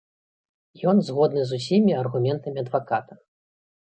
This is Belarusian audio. Ён згодны з усімі аргументамі адваката.